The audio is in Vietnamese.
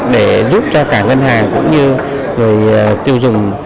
để giúp cho cả ngân hàng cũng như người tiêu dùng